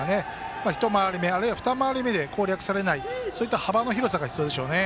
１回り目、あるいは２回り目で攻略されないそういった幅の広さが必要でしょうね。